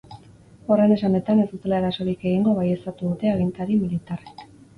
Horren esanetan, ez dutela erasorik egingo baieztatu dute agintari militarrek.